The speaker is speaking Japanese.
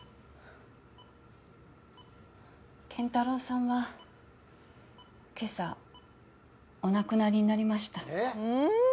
健太郎さんは今朝お亡くなりになりました。